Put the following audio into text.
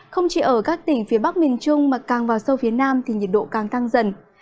không chỉ ở các tỉnh phía bắc miền trung mà càng vào sâu phía nam thì nhiệt độ càng tăng dần